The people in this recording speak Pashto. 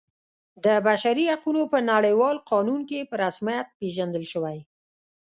د بشري حقونو په نړیوال قانون کې په رسمیت پیژندل شوی.